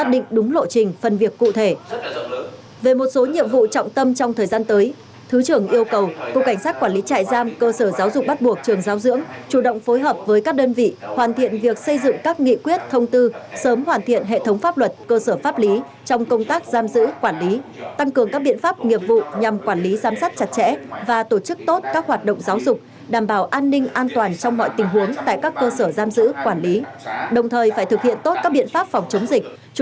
để đối với nhiệm vụ trọng tâm trong thời gian tới thứ trưởng yêu cầu cục cảnh sát quản lý trại giam cơ sở giáo dục bắt buộc trường giáo dưỡng chủ động phối hợp với các đơn vị hoàn thiện việc xây dựng các nghị quyết thông tư sớm hoàn thiện hệ thống pháp luật cơ sở pháp lý trong công tác giam giữ quản lý tăng cường các biện pháp nghiệp vụ nhằm quản lý giám sát chặt chẽ và tổ chức tốt các hoạt động giáo dục đảm bảo an ninh an toàn trong mọi tình huống tại các cơ sở giam giữ quản lý đồng thời phải thực hiện tốt các